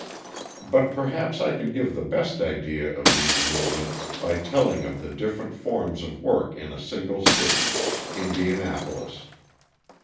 But perhaps I can give the best idea of these movements by telling of the different forms of work in a single city Indianapolis.